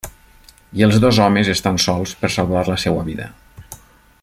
I els dos homes estan sols per salvar la seva vida.